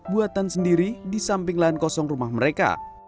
buatan sendiri di samping lahan kosong rumah mereka